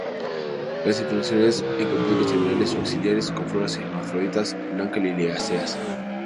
Las inflorescencias en capítulos terminales o axilares con flores hermafroditas, blanca-liliáceas.